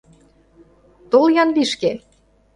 Тол-ян лишке!